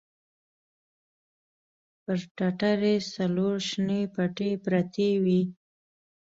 پر ټټر يې څلور شنې پټې پرتې وې.